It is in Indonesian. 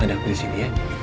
ada aku di sini ya